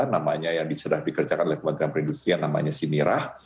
namanya yang sudah dikerjakan oleh kementerian perindustrian namanya simirah